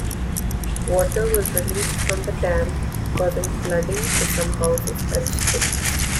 Water was released from the dam causing flooding to some houses and streets.